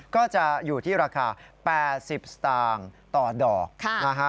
ก็จะอยู่ที่ราคา๘๐สตางค์ต่อดอกนะฮะ